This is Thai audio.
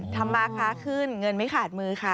ทำมาค้าขึ้นเงินไม่ขาดมือค่ะ